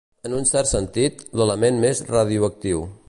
En un cert sentit, l'element més radioactiu.